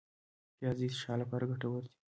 پیاز د اشتها لپاره ګټور دی